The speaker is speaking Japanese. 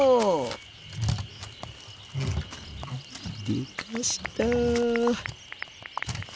でかした。